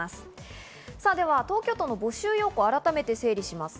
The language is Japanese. では東京都の募集要項を改めて整理します。